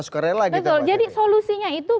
sukarela gitu pak betul jadi solusinya itu